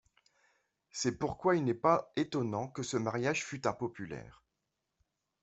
C’est pourquoi il n’est pas étonnant que ce mariage fût impopulaire.